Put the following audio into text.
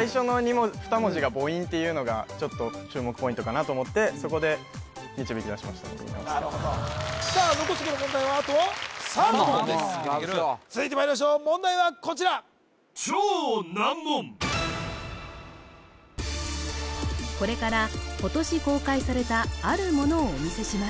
これていうのが注目ポイントかなと思ってそこで導き出しました井伊直弼残すところ問題はあと３問続いてまいりましょう問題はこちらこれから今年公開されたあるものをお見せします